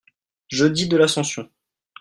jeudi de l'Ascension.